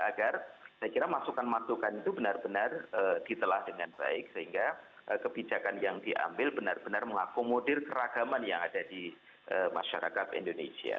agar saya kira masukan masukan itu benar benar ditelah dengan baik sehingga kebijakan yang diambil benar benar mengakomodir keragaman yang ada di masyarakat indonesia